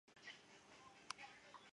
他还担任浙江大学台州研究院院长。